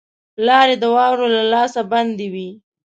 لاري د واورو له لاسه بندي وې.